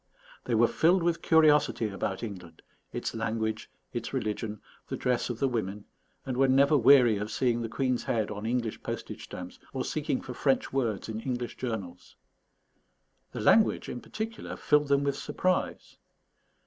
They were filled with curiosity about England, its language, its religion, the dress of the women, and were never weary of seeing the Queen's head on English postage stamps, or seeking for French words in English Journals. The language, in particular, filled them with surprise.